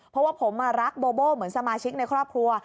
เพราะว่าผมรักโบโบ้เหมือนสมาชิกในครอบครัว